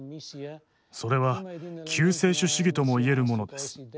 それは救世主主義とも言えるものです。